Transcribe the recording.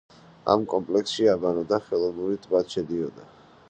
ამ კომპლექსში აბანო და ხელოვნური ტბაც შედიოდა.